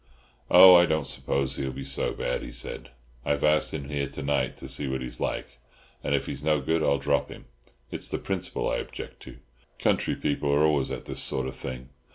"Oh, I don't suppose he'll be so bad," he said. "I've asked him here to night to see what he's like, and if he's no good I'll drop him. It's the principle I object to. Country people are always at this sort of thing.